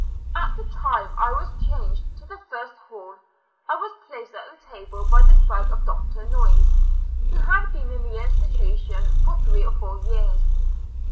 At the time I was changed to the first hall, I was placed at the table by the side of Dr. Noise, who had been in the institu tion for three or four years.